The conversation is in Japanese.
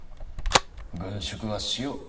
「軍縮はしよう。